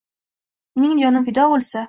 Mening jonim fido bo’lsa